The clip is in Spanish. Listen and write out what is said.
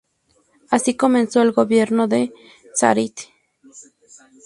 Así comenzó el gobierno de Sarit.